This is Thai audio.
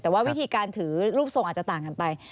แต่ว่าวิธีการถือรูปทรงอาจจะต่างกันไป